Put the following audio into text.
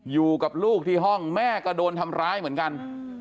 อยู่กับลูกที่ห้องแม่ก็โดนทำร้ายเหมือนกัน